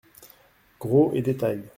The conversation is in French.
Gros et détail.